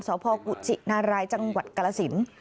สพกุชินารายจังหวัดกรสิน